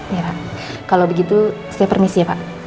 ya kalau begitu saya permisi ya pak